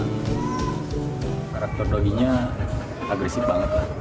ketologinya agresif banget lah